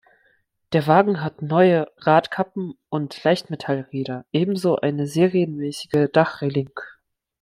Der Wagen hat neue Radkappen und Leichtmetallräder, ebenso eine serienmäßige Dachreling.